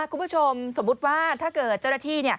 คุณผู้ชมสมมุติว่าถ้าเกิดเจ้าหน้าที่